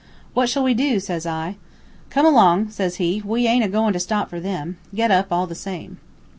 "'What shall we do?' says I. "'Come along,' says he. 'We aint a goin' to stop for them. Get up, all the same.'